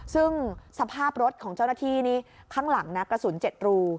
ซึ่งสภาพรถของเจ้าหน้าที่นี่ข้างหลังนะกระสุน๗รู